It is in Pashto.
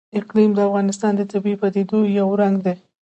اقلیم د افغانستان د طبیعي پدیدو یو رنګ دی.